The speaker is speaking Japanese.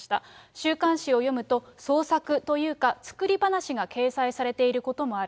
週刊誌を読むと、創作というか、作り話が掲載されていることもある。